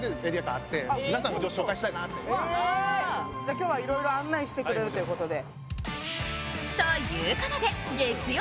今日はいろいろ案内してくれるということで。